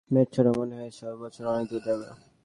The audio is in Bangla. মেটসরা মনে হয় এবছর অনেকদূর যাবে।